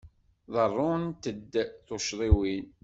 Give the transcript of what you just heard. Ḍerrunt-d tuccḍiwin.